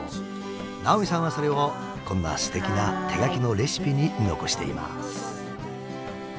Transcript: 直見さんはそれをこんなすてきな手書きのレシピに残しています。